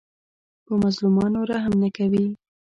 په مظلومانو رحم نه کوي